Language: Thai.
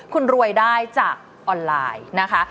คุณรวยได้จากออนไลน์นะคะ